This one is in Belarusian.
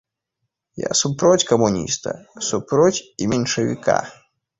Я супроць камуніста, супроць і меншавіка.